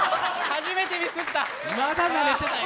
初めてミスった！